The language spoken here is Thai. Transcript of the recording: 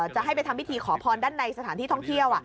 จะให้ไปทำพิธีขอพรด้านในสถานที่ท่องเที่ยว